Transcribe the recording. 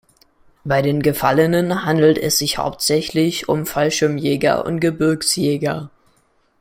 Bei den Gefallenen handelt es sich hauptsächlich um Fallschirmjäger und Gebirgsjäger.